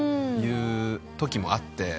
そういうときもあって。